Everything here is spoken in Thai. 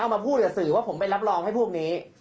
มาพูดกับสื่อว่าผมไปรับรองให้พวกนี้